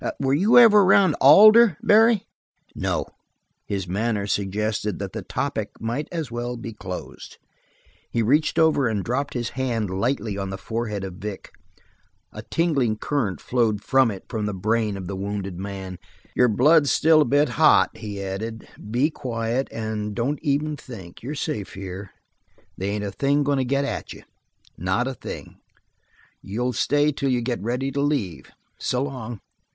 Were you ever around Alder, Barry?" "No." His manner suggested that the topic might as well be closed. He reached over and dropped his hand lightly on the forehead of Vic. A tingling current flowed from it into the brain of the wounded man. "Your blood's still a bit hot," he added. "Lie quiet and don't even think. You're safe here. They ain't a thing goin' to get at you. Not a thing. You'll stay till you get ready to leave. S'long.